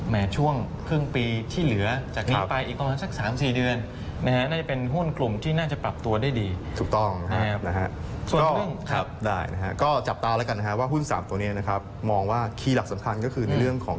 แม้ช่วงครึ่งปีที่เหลือจากนี้ไปอีก๓๔เดือน